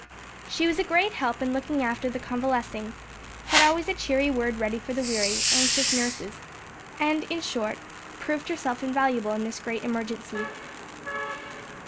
She was a great help in looking after the convalescing, had always a cheery word ready for the weary, anxious nurses, and in short proved herself invaluable in this great emergency.